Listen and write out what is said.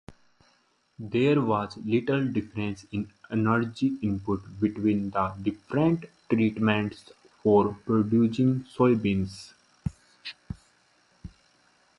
There was little difference in energy input between the different treatments for producing soybeans.